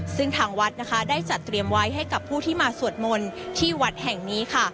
ซึ่งทางวัดนะคะได้จัดเตรียมไว้ให้กับผู้ที่มาสวดมนต์ที่วัดแห่งนี้ค่ะ